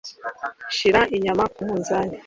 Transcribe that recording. Shira inyama ku munzani.